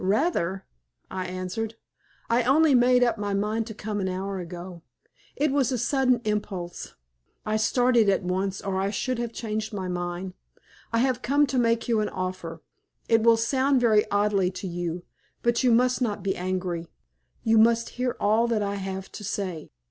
"Rather," I answered. "I only made up my mind to come an hour ago. It was a sudden impulse. I started at once, or I should have changed my mind. I have come to make you an offer. It will sound very oddly to you, but you must not be angry. You must hear all that I have to say.